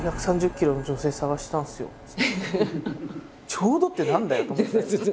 「『ちょうど』って何だよ」と思って。